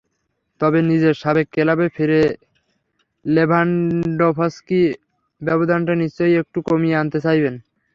তবে নিজের সাবেক ক্লাবে ফিরে লেভানডফস্কি ব্যবধানটা নিশ্চয়ই একটু কমিয়ে আনতে চাইবেন।